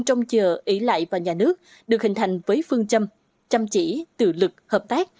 trong chờ ý lại và nhà nước được hình thành với phương châm chăm chỉ tự lực hợp tác